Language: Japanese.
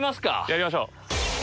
やりましょう。